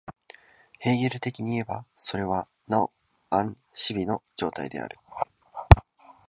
ヘーゲル的にいえば、それはなおアン・ジヒの状態である。